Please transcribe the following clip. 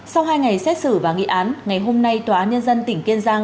sau hai ngày xét xử và nghị án ngày hôm nay tòa án nhân dân tỉnh kiên giang